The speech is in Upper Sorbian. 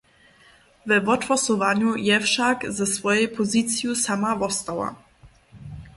We wothłosowanju je wšak ze swojej poziciju sama wostała.